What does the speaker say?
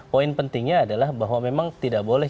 poin pentingnya adalah bahwa memang tidak boleh